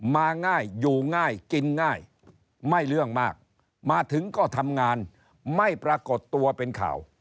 มาง่ายอยู่ง่ายกินง่ายไม่เรื่องมากมาถึงก็ทำงานไม่ปรากฏตัวเป็นข่าว